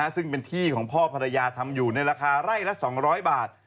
ซึ่งเป็นที่ของพ่อภรรยาทำอยู่ในราคาไร่ละ๒๐๐บาท